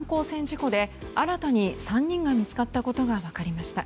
知床の観光船事故で新たに３人が見つかったことが分かりました。